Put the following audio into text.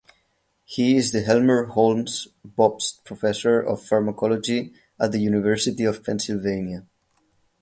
He is the Elmer Holmes Bobst Professor of Pharmacology at the University of Pennsylvania.